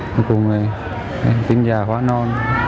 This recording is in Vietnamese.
cuối cùng thì em tính giả hóa non